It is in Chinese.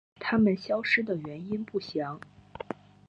它们消失的原因不详。